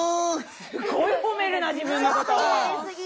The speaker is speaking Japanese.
すごいほめるな自分のことを。